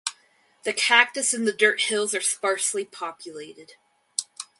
The Cactus and the Dirt Hills are sparsely populated.